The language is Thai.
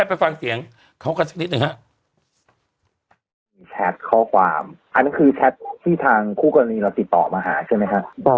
ไปฟังเสียงเขากันสักนิดหนึ่งฮะมีแชทข้อความอันนั้นคือแชทที่ทางคู่กรณีเราติดต่อมาหาใช่ไหมฮะ